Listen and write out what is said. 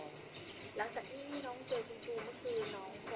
หลังจากที่น้องเจอคุณครูเมื่อคืนน้อง